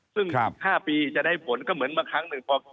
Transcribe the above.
ซึ่งอีก๕ปีจะได้ผลก็เหมือนมาครั้งหนึ่ง